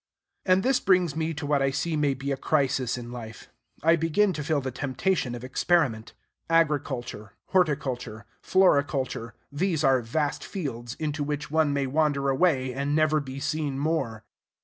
And this brings me to what I see may be a crisis in life. I begin to feel the temptation of experiment. Agriculture, horticulture, floriculture, these are vast fields, into which one may wander away, and never be seen more.